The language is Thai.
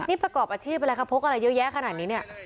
นี่ประกอบอาชีพอะไรคะพกอะไรเยอะแยะขนาดนี้เนี่ย